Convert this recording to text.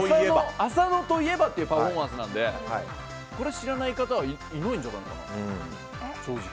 浅野といえばってパフォーマンスなのでこれ知らない方はいないんじゃないかな、正直。